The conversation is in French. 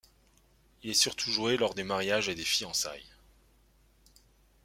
Il est surtout joué lors des mariages et des fiançailles.